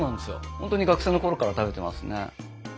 本当に学生のころから食べてますね。